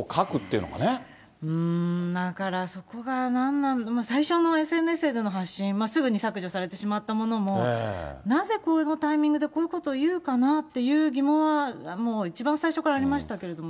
うーん、だからそこがＳＮＳの発信、すぐに削除されてしまったものの、なぜこのタイミングでこういうことを言うかなっていう疑問はもう一番最初からありましたけれどもね。